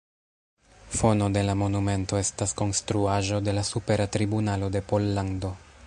Fono de la monumento estas Konstruaĵo de la Supera Tribunalo de Pollando.